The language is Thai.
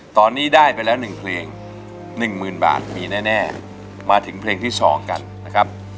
ตอนนี้ได้ไปแล้ว๑เพลง๑๐๐๐บาทมีแน่มาถึงเพลงที่๒กันนะครับ